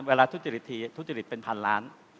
ทุจริตทีทุจริตเป็นพันล้าน